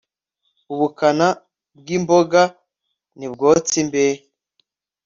ubukana bw'imboga ntibwotsa imbehe